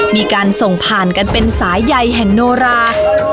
มีการส่งผ่านกันเป็นสายใยแห่งโนรา